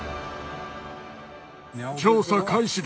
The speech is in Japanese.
調査開始だ！